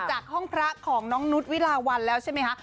จากห้องพระของน้องนุษย์วิลาวันแล้วใช่ไหมคะ